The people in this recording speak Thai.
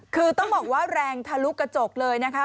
คือต้องบอกว่าแรงทะลุกระจกเลยนะคะ